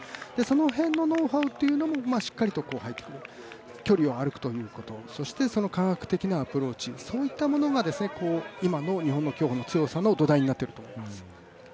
その辺のノウハウっていうのもしっかりと距離を歩くということそして科学的なアプローチそういったものが今の日本の強さの土台になっていると思います。